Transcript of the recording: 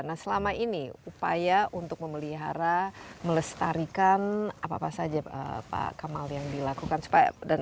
nah selama ini upaya untuk memelihara melestarikan apa apa saja pak kamal yang dilakukan dan